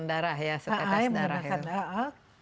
darah ya setetes darah